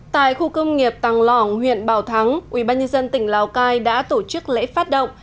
tại khu công nghiệp tàng lỏng huyện bảo thắng ubnd tỉnh lào cai đã tổ chức lễ phát động